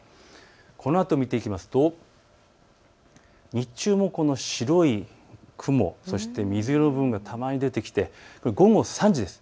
このあとを見ていきますと日中もこの白い雲、そして水色の部分がたまに出てきて午後３時です。